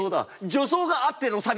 助走があってのサビ。